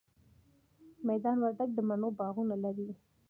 میدان وردګ د مڼو باغونه لري